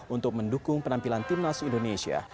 untuk mendukung penampilan timnas indonesia